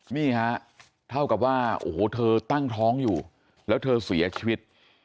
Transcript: นี่ฮะเท่ากับว่าโอ้โหเธอตั้งท้องอยู่แล้วเธอเสียชีวิต